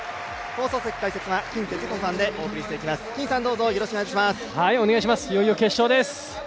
放送席解説は、金哲彦さんでお送りしてまいります。